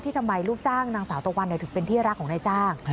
ทำไมลูกจ้างนางสาวตะวันถึงเป็นที่รักของนายจ้าง